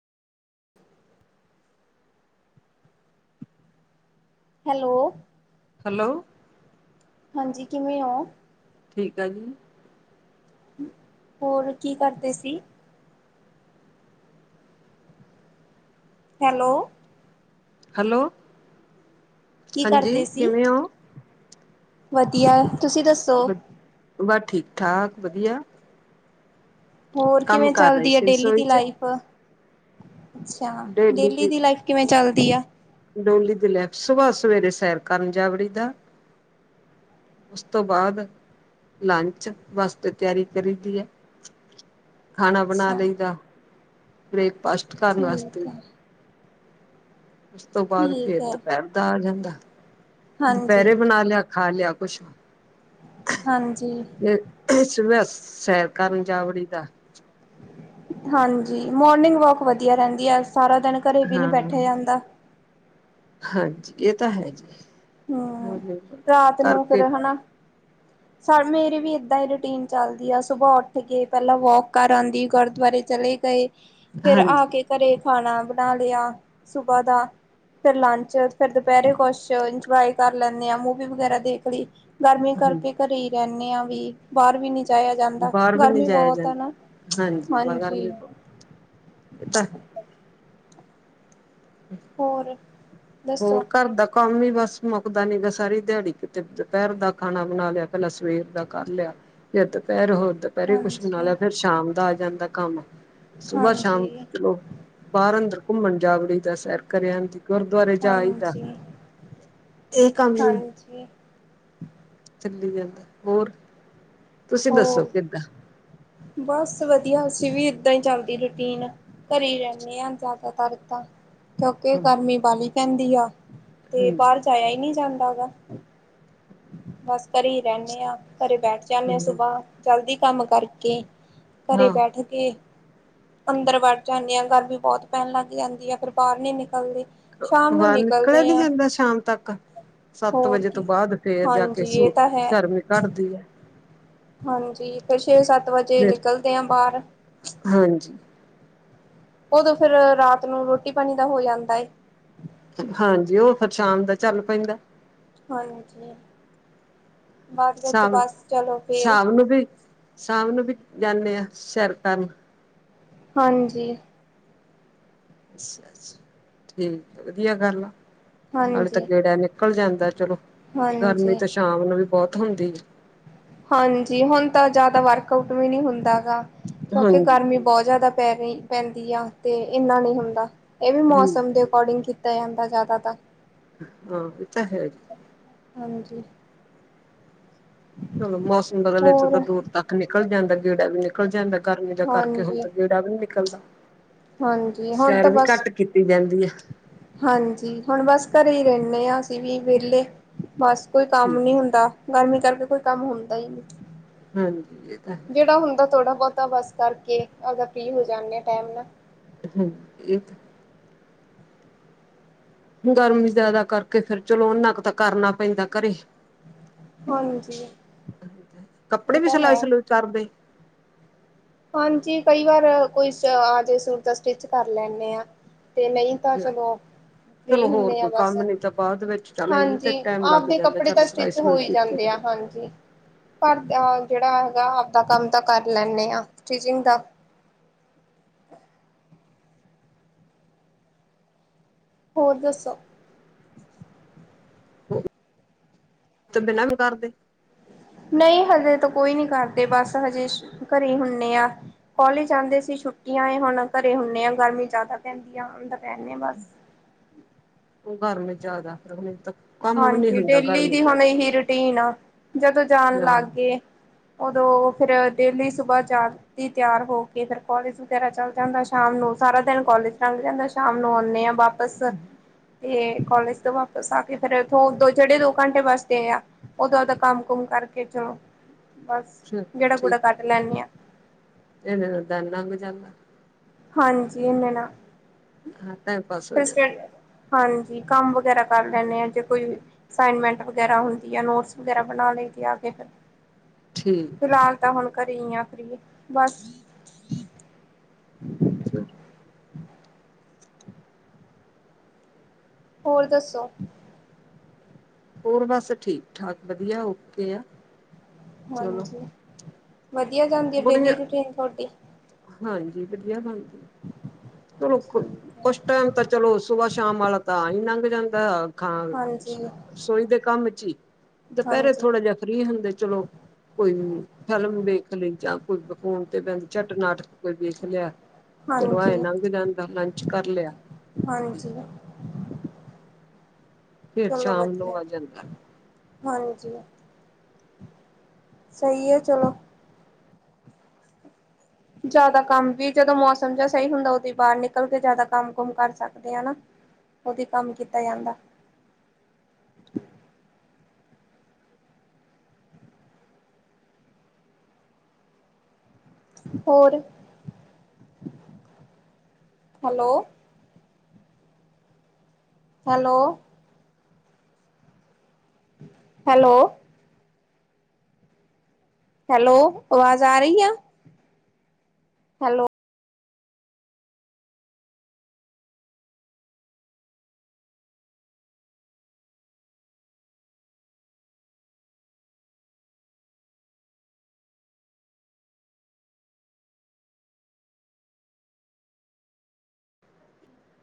Hello. Hello. ਹਾਂਜੀ ਕਿਵੇਂ ਹੋ? ਠੀਕ ਆ ਜੀ। ਹੋਰ ਕੀ ਕਰਦੇ ਸੀ। ਹੈਲੋ। ਹੈਲੋ ਕੀ ਹਾਂਜੀ ਕਰਦੇ ਸੀ? ਕਿਵੇਂ ਹੋ। ਵਧੀਆ ਤੁਸੀਂ ਦੱਸੋ? ਬਸ ਠੀਕ ਠਾਕ ਵਧੀਆ। ਹੋਰ ਕੰਮ ਕਿਵੇਂ ਕਰ ਰਹੇ ਚੱਲਦੀ ਹੈ ਸੀ ਡੇਲੀ ਰਸੋਈ ਦੀ ਚ ਲਾਈਫ। ਅੱਛਾ ਡੇਲੀ ਦੀ ਲਾਈਫ ਕਿਵੇਂ ਚਲਦੀ ਆ। ਡੋਲੀ ਦ ਲੈ ਸੁਬਾਹ ਸਵੇਰੇ ਸੈਰ ਕਰਨ ਜਾਵੜੀ ਦਾ। ਉਸ ਤੋਂ ਬਾਅਦ ਲੰਚ ਵਾਸਤੇ ਤਿਆਰੀ ਕਰੀ ਦੀ ਹੈ। ਖਾਣਾ ਬਣਾ ਅੱਛਾ, ਲਈ ਦਾ ਬ੍ਰੇਕਫਾਸਟ ਕਰਨ ਵਾਸਤੇ। ਠੀਕ ਹੈ। ਉਸ ਤੋਂ ਬਾਅਦ ਠੀਕ ਫੇਿਰ ਹੈ, ਦੁਪਹਿਰ ਦਾ ਆ ਜਾਂਦਾ। ਹਾਂਜੀ। ਦੁਪਹਿਰੇ ਬਣਾ ਲਿਆ ਖਾ ਲਿਆ ਕੁਛ। ਹਾਂਜੀ, ਫਿਰ ਸੈਰ ਕਰਨ ਜਾ ਵੜੀ ਦਾ ਹਾਂਜੀ ਮੋਰਨਿੰਗ ਵਾਕ ਵਧੀਆ ਰਹਿੰਦੀ ਹੈ। ਸਾਰਾ ਦਿਨ ਘਰੇ ਵੀ ਨੀ ਹਾਂ ਬੈਠਿਆ ਜਾਂਦਾ। ਹਾਂਜੀ ਇਹ ਤਾਂ ਹੈ ਜੀ ਹਮ ਵੋਲੀਬਾਲ ਰਾਤ ਨੂੰ ਫਿਰ ਕਰਕੇ ਹਨਾ ਮੇਰੀ ਵੀ ਏਦਾਂ ਹੀ ਰੂਟੀਨ ਚੱਲਦੀ ਆ ਸੁਬਾਹ ਉੱਠ ਕੇ ਪਹਿਲਾਂ ਵੋਕ ਕਰ ਆਉਂਦੀ ਗੁਰਦੁਆਰੇ ਚਲੇ ਗਏ ਫੇਰ ਆ ਹਾਂਜੀ ਕੇ ਘਰੇ। ਖਾਣਾ ਬਣਾ ਲਿਆ ਸੁਬਹ ਦਾ ਫੇਰ ਲੰਚ ਫਿਰ ਦੁਪਹਿਰੇ ਕੁਛ ਡਰਾਈ ਕਰ ਲੈਂਦੇ ਆ ਮੂਵੀ ਵਗੈਰਾ ਦੇਖ ਲਈ ਗਰਮੀ ਕਰਕੇ ਹਾਂਜੀ ਘਰੇ ਹੀ ਰਹ ਵੀ ਬਾਹਰ ਵੀ ਨੀ ਜਾਇਆ ਜਾਂਦਾ? ਬਾਹਰ ਵੀ ਨਹੀਂ ਗਰਮੀ ਜਾਇਆ ਬਹੁਤ ਹੈ ਨਾ? ਜਾਂਦਾ ਬਾਹਰ ਵੀ ਹਾਂਜੀ। ਇਹ ਤਾਂ ਹੋਰ? ਦੱਸੋ ਹੋਰ ਘਰ ਦਾ ਕ ਕੰਮ ਹੀ ਬਸ ਮੁੱਕਦਾ ਨੀ ਗਾ ਸਾਰੀ ਦਿਹਾੜੀ, ਕਿਤੇ ਦੁਪਹਿਰ ਦਾ ਖਾਣਾ ਬਣਾ ਲਿਆ, ਪਹਿਲਾਂ ਸਵੇਰ ਦਾ ਕਰ ਲਿਆ। ਜੇ ਦੁਪਹਿਰ ਹੋ ਦੁਪਹਿਰੇ ਕੁਛ ਬਣਾ ਹਾਂਜੀ ਲਿਆ, ਫੇਰ ਸ਼ਾਮ ਦਾ ਆ ਜਾਂਦਾ ਏ ਕੰਮ।। ਸੁਬਾਹ-ਸ਼ਾਮ ਹਾਂਜੀ ਚਲੋ ਬਾਹਰ-ਅੰਦਰ ਘੁੰਮਣ ਜਾਵੜੀ ਦਾ ਸੈਰ ਕਰਿਆ ਦੀ ਗੁਰਦੁਆਰੇ ਜਾ ਆਈ ਦਾ ਹਾਂਜੀ, ਇਹ ਕੰਮ ਹੀ ਹਾਂਜੀ। ਚੱਲੀ ਜਾਂਦਾ। ਹੋਰ ਤੁਸੀਂ ਦੱਸੋ ਹੋਰ ਕਿੱਦਾਂ? ਬਸ ਵਧੀਆ ਅਸੀਂ ਵੀ। ਏਦਾਂ ਹੀ ਚੱਲਦੀ ਰੂਟੀਨ। ਘਰੇ ਹੀ ਰਹਿੰਦੇ ਹਾਂ ਜ਼ਿਆਦਾਤਰ ਤਾਂ। ਕਿਉਂਕਿ ਗਰਮੀ ਬਾਲੀ ਪੈਂਦੀ ਆ ਤੇ ਹਾਂਜੀ ਬਾਹਰ ਜਾਇਆ ਹੀ ਨਹੀਂ ਜਾਂਦਾ ਹੈਗਾ। ਬਸ ਘਰੇ ਹੀ ਰਹਿੰਦੇ ਆਂ। ਘਰੇ ਬੈਠ ਜਾਂਦੇ ਆ ਸੁਬਾਹ ਜਲਦੀ ਕੰਮ ਕਰਕੇ। ਘਰੇ ਹਾਂ ਬੈਠ ਕੇ ਅੰਦਰ ਵੜ ਜਾਂਦੇ ਆ ਗਰਮੀ ਬਹੁਤ ਪੈਣ ਲੱਗ ਜਾਂਦੀ ਆ, ਫੇਰ ਬਾਹਰ ਨੀ ਨਿਕਲਦੇ। ਸ਼ਾਮ ਨੂੰ ਬਾਹਰ ਨਿਕਲਿਆ ਨਿਕਲਦੇ ਨੀ ਆ ਜਾਂਦਾ ਸ਼ਾਮ ਤੱਕ ਸੱਤ ਹੋਰ ਵਜੇ ਤੋਂ ਕੀ ਬਾਅਦ ਫੇਰ! ਫਿਰ ਜਾ ਕੇ ਹਾਂਜੀ ਇਹ ਸੂ ਤਾਂ ਹੈ ਗਰਮੀ ਘੱਟਦੀ ਹੈ। ਹਾਂਜੀ ਫਿਰ ਛੇ ਸੱਤ ਵਜੇ ਫਿਰ ਨਿਕਲਦੇ ਆ ਬਾਹਰ। ਹਾਂਜੀ ਉਦੋਂ ਫਿਰ ਰਾਤ ਨੂੰ ਰੋਟੀ ਪਾਣੀ ਦਾ ਹੋ ਜਾਂਦਾ ਏ। ਹਾਂਜੀ। ਉਹ ਫਿਰ ਸ਼ਾਮ ਦਾ ਚੱਲ ਪੈਂਦਾ। ਹਾਂਜੀ। ਬਾਅਦ ਵਿੱਚ ਸ਼ਾਮ ਬਸ ਚਲੋ ਫੇਰ ਸ਼ਾਮ ਨੂੰ ਵੀ ਸ਼ਾਮ ਨੂੰ ਵੀ ਜਾਂਦੇ ਹਾਂ ਸੈਰ ਕਰਨ। ਹਾਂਜੀ। ਅਾ ਠੀਕ ਵਧੀਆ ਗੱਲ ਆ। ਨਾਲੇ ਤਾਂ ਹਾਂਜੀ, ਗੇੜਾ ਨਿਕਲ ਜਾਂਦਾ ਚਲੋ ਗਰਮੀ ਹਾਂਜੀ। ਤੇ ਸ਼ਾਮ ਨੂੰ ਵੀ ਬਹੁਤ ਹੁੰਦੀ ਆ। ਹਾਂਜੀ। ਹੁਣ ਤਾਂ ਜ਼ਿਆਦਾ ਵਰਕ ਆਊਟ ਵੀ ਨਹੀਂ ਹੁੰਦਾ ਗਾ। ਕਿਉਂਕਿ ਹਾਂਜੀ ਗਰਮੀ ਬਹੁਤ ਜ਼ਿਆਦਾ ਪੈ ਰਹੀ ਪੈਂਦੀ ਆ ਤੇ ਇੰਨਾ ਨਹੀਂ ਹੁੰਦਾ। ਇਹ ਵੀ ਹਾਂਜੀ ਮੌਸਮ ਦੇ ਅਕੋਡਿੰਗ ਕੀਤਾ ਜਾਂਦਾ ਜ਼ਿਆਦਾਤਾਂ। ਹਾਂ, ਏਹ ਤਾਂ ਹੈ। ਹਾਂਜੀ। ਚਲੋ ਮੌਸਮ ਬਦਲ ਇਥ ਹੋਰ ਤਾਂ ਦੂਰ ਤੱਕ ਨਿਕਲ ਜਾਂਦਾ ਗੇੜਾ ਵੀ ਨਿਕਲ ਜਾਂਦਾ। ਗਰਮੀ ਦਾ ਕਰਕੇ ਹੁਣ ਹਾਂਜੀ, ਤਾਂ ਗੇੜਾ ਵੀ ਨੀ ਨਿਕਲਦਾ। ਹਾਂਜੀ, ਹੁਣ ਸੈਰ ਤਾਂ ਵੀ ਬਸ। ਘੱਟ ਕੀਤੀ ਜਾਂਦੀ ਹੈ। ਹਾਂਜੀ, ਹੁਣ ਬਸ ਘਰੇ ਹੀ ਰਹਿ ਨੇ ਆ ਅਸੀ ਵੀ ਵਿਹਲੇ। ਬਸ ਕੋਈ ਕੰਮ ਠੀਕ ਨੀ ਹੈ। ਹੁੰਦਾ। ਗਰਮੀ ਕਰਕੇ ਕੋਈ ਕੰਮ ਹੁੰਦਾ ਹੀ ਨਹੀਂ। ਹਾਂਜੀ। ਇਹ ਤਾਂ ਹੈ ਜਿਹੜਾ ਹੁੰਦਾ ਥੋੜ੍ਹਾ ਬਹੁਤਾ ਬਸ ਕਰਕੇ ਫਰੀ ਹੋ ਜਾਂਦੇ ਆ ਟਾਈਮ ਨਾਲ। ਹਾਂਜੀ ਇੱਕ। ਗਰਮੀ ਜਿਆਦਾ ਕਰਕੇ ਫਿਰ ਚਲੋ ਹੁਣ ਨਾ ਕਰਨਾ ਪੈਂਦਾ ਘਰੇ ਹਾਂਜੀ ਇਹ ਕੱਪੜੇ ਵੀ ਤਾਂ ਸਿਲਾਈ ਹੈ ਸਲੂਈ ਕਰਦੇ। ਹਾਂਜੀ। ਕਈ ਵਾਰ ਕੋਈ ਆ ਜਏ ਸੂਟ ਦਾ ਸਟਿਚ ਕਰ ਲੈਂਦੇ ਆ। ਤੇ ਨਹੀਂ ਤਾਂ ਚਲੋ ਚਲੋ ਫ੍ਰੀ ਹੋਰ ਹੁੰਦੇ ਆ ਕੋਈ ਬਸ। ਕੰਮ ਨੀ ਤਾਂ ਬਾਅਦ ਵਿੱਚ ਚੱਲ ਇਹਦੇ ਤੇ ਹਾਂਜੀ। ਟਾਈਮ ਲੱਗ ਆਪਦੇ ਜਾਂਦਾ ਕੱਪੜੇ ਚੱਲ ਤਾਂ ਸਿਲਾਈ ਸਟਿਚ ਹੋ ਸਲੂਈ ਹੀ ਕੀਤੀ ਜਾਂਦੇ ਆ ਜਾਂਦੀ ਹਾਂਜੀ ਪਰ ਜਿਹੜਾ ਹੈਗਾ ਆਪਦਾ ਕੰਮ ਤਾਂ ਕਰ ਲੈਨੀ ਆ ਸਟਿਚਿੰਗ ਦਾ ਹੋਰ ਦੱਸੋ। ਤੋਂ ਬਿਨਾਂ ਵੀਕਾਰਦੇ। ਨਹੀਂ ਹਜੇ ਤਾਂ ਕੋਈ ਨੀ ਕਰਦੇ ਬਸ ਹਜੇ ਘਰੇ ਹੁੰਦੇ ਆ ਕਲੇਜ ਆਦੇ ਸੀ। ਛੁੱਟੀਆਂ ਏ ਹੁਣ ਘਰੇ ਹੁੰਦੇ ਆ ਗਰਮੀ ਜ਼ਿਆਦਾ ਪੈਂਦੀ ਆ ਹ ਰਹਦੇ ਆ ਬਸ। ਘਰ ਨੂੰ ਜਿਆਦਾ ਕੰਮ ਵੀ ਨਹੀਂ ਹਾਂਜੀ ਹੁੰਦਾ ਡੇਲੀ ਗਰਮੀ ਦੀ ਹੁਣ ਜਿਆਦਾ। ਇਹੀ ਰੂਟੀਨ ਆ ਜਦੋਂ ਜਾਣ ਲੱਗ ਗਏ। ਉਦੋਂ ਫਿਰ ਡੇਲੀ ਸੁਬਾਹ ਜਾਣ ਦੀ ਤਿਆਰ ਹੋ ਕੇ ਫਿਰ ਕਾਲਜ ਵਗੈਰਾ ਚੱਲ ਜਾਂਦਾ ਸ਼ਾਮ ਨੂੰ ਸਾਰਾ ਦਿਨ ਕਾਲਜ ਲੰਘ ਜਾਂਦਾ ਸ਼ਾਮ ਨੂੰ ਆਉਂਦੇ ਆ ਵਾਪਸ ਤੇ ਕਾਲਜ ਤੋਂ ਵਾਪਿਸ ਆ। ਤੇ ਫੇਰ ਉਥੋਂ ਦੋ ਜਿਹੜੇ ਦੋ ਘੰਟੇ ਵਾਸਤੇ ਆ ਓਦੋਂ ਓਦਦਾ ਕੰਮ ਕੁਮ ਕਰਕੇ ਚਲੋ। ਬਸ ਗੇੜਾ ਗੂੜਾ ਕੱਢ ਲੈਦੇ ਆ। ਇਨੇ ਨੂੰ ਦਿਨ ਲੰਘ ਜਾਂਦਾ। ਹਾਂਜੀ। ਇਹਨਾਂ ਨਾ ਹਾਂ ਟਾਈਮ ਪਾਸ ਹੋ ਫਿਰ ਜਾਂਦੇ। ਸਟੱਡ ਹਾਂਜੀ ਕੰਮ ਵਗੈਰਾ ਕਰ ਲੈਂਦੇ ਆਾਂ ਜੇ ਕੋਈ। ਅਸਾਈਨਮੈਂਟ ਵਗੈਰਾ ਹੁੰਦੀ ਆ ਨੋਟਸ ਵਗੈਰਾ ਬਣਾ ਲਈੈਂਦੇ ਆ ਕੇ ਫਿਰ ਠੀਕ ਫਿਲਹਾਲ ਤਾਂ ਹੁਣ ਘਰੇ ਹੀ ਆ ਫਰੀ ਬਸ ਚਲੋ ਹੋਰ ਦੱਸੋ। ਹੋਰ ਬਸ ਠੀਕ ਠਾਕ ਵਧੀਆ ਓਕੇ ਆ। ਚਲੋ ਹਾਂਜੀ ਵਧੀਆ ਜਾਂਦੀ ਹੈ ਡੇਲੀ ਬੁੜੀਆਂ ਰੂਟੀਨ ਤੁਹਾਡੀ ਹਾਂਜੀ ਵਧੀਆ ਬ ਚਲੋ ਠੀਕ ਹੈ ਕੁਛ ਟਾਈਮ ਤਾਂ ਚਲੋ ਸੁਬਾਹ ਸ਼ਾਮ ਵਾਲਾ ਤਾਂ ਐ ਈ ਲੰਘ ਜਾਂਦਾ। ਖਾ ਹਾਂਜੀ ਰਸੋਈ ਦੇ ਕੰਮ ਚ ਦੁਪਹਿਰੇ ਹਾਂਜੀ ਥੋੜਾ ਜਿਹਾ ਫਰੀ ਹੁੰਦੇ ਚਲੋ ਕੋਈ ਫਿਲਮ ਵੇਖ, ਕੁ ਫੋਨ ਤੇ ਬ ਝੱਟ ਨਾਟਕ ਕੋਈ ਵੇਖ ਲਿਆ ਚਲੋ ਆਏ ਹਾਂਜੀ ਲਗ ਜਾਂਦਾ ਲੰਚ ਕਰ ਲਿਆ। ਹਾਂਜੀ, ਫਿਰ ਚਲੋ ਸ਼ਾਮ ਨੂੰ ਵਧੀਆ ਆ ਜਾਂਦਾ। ਹਾਂਜੀ ਸਹੀ ਆ ਚਲੋ, ਜ਼ਿਆਦਾ ਕੰਮ ਵੀ ਜਦੋਂ ਮੌਸਮ ਜਾਂ ਸਹੀ ਹੁੰਦਾ ਉਦੋਂ ਬਾਹਰ ਨਿਕਲ ਕੇ ਜ਼ਿਆਦਾ ਕੰਮ ਕੁਮ ਕਰ ਸਕਦੇ ਆ ਹਨਾ। ਉਹਦੀ ਕੰਮ ਕੀਤਾ ਜਾਂਦਾ। ਹੋਰ ਹੈਲੋ, ਹੈਲੋ ਹੈਲੋ ਹੈਲੋ ਆਵਾਜ਼ ਆ ਰਹੀ ਆ ਹੈਲੋ।